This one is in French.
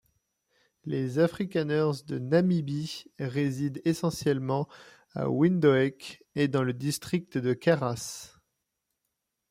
Les Afrikaners de Namibie résident essentiellement à Windhoek et dans le district de Karas.